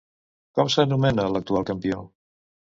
Com s'anomena l'actual campió?